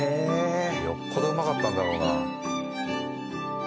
よっぽどうまかったんだろうな。